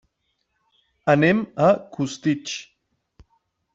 Anem a Costitx.